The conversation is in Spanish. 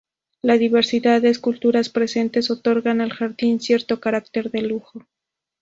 La diversidad de esculturas presentes otorgan al jardín cierto carácter de lujo.